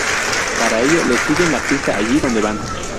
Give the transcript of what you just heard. Para ello les siguen la pista allí donde van.